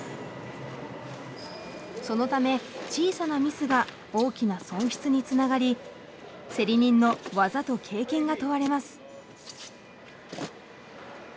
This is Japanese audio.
そのため小さなミスが大きな損失につながり競り人の技と経験が問われます。